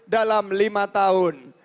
dalam lima tahun